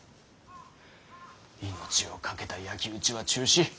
命をかけた焼き討ちは中止。